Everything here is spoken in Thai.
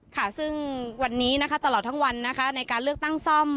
ค่ะซึ่งวันนี้นะคะตลอดทั้งวันนะคะในการเลือกตั้งซ่อม